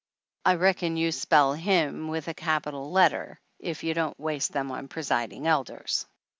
I reckon you spell him with a capital letter, if you don't waste them on presiding elders.